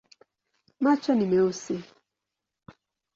Macho ni meusi.